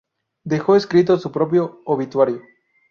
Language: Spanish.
Dejó escrito su propio obituario.